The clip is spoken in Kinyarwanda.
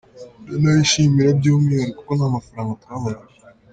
Ndanayishimira by’umwihariko kuko nta mafaranga twabonaga.